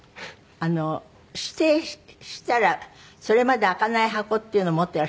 あの指定したらそれまで開かない箱っていうのを持っていらっしゃるんですか？